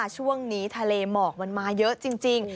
ช่วงนี้ทะเลหมอกมันมาเยอะจริง